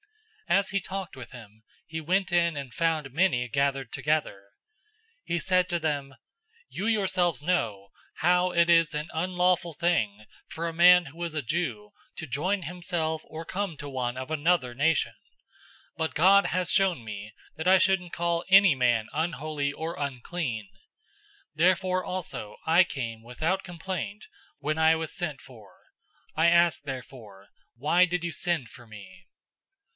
010:027 As he talked with him, he went in and found many gathered together. 010:028 He said to them, "You yourselves know how it is an unlawful thing for a man who is a Jew to join himself or come to one of another nation, but God has shown me that I shouldn't call any man unholy or unclean. 010:029 Therefore also I came without complaint when I was sent for. I ask therefore, why did you send for me?"